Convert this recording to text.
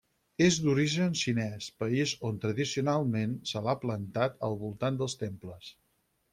És d'origen xinès, país on tradicionalment se l'ha plantat al voltant dels temples.